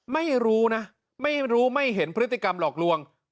ไม่รู้นะไม่รู้ไม่เห็นพฤติกรรมหลอกลวง